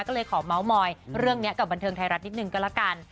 ก็เลยขอเมาส์มอยเรื่องนี้กับบันเทิงไทยรัฐนิดนึงก็ละกัน